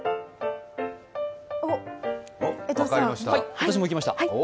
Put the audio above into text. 私もいけました。